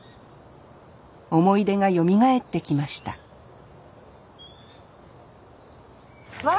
思い出がよみがえってきましたわ